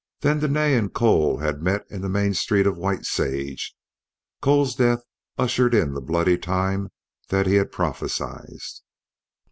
Then Dene and Cole had met in the main street of White Sage. Cole's death ushered in the bloody time that he had prophesied.